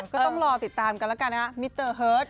ก็ต้องรอติดตามกันแล้วกันนะฮะมิเตอร์เฮิร์ต